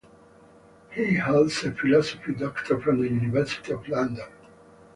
He holds a Ph.D. from the University of London.